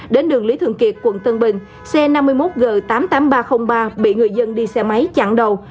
đến đường lý thường kiệt quận tân bình xe năm mươi một g tám mươi tám nghìn ba trăm linh ba bị người dân đi xe máy chặn đầu